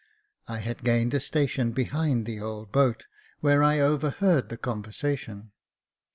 I had gained a station behind the old boat, where I overheard the conversation.